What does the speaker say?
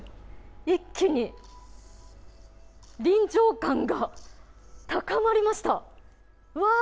一気に臨場感が高まりました。